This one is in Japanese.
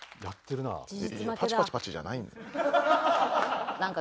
パチパチパチじゃない。